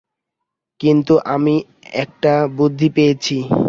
কিন্তু আমি একটা বুদ্ধি পেয়েছি!